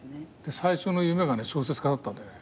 最初の夢がね小説家だったんだよね。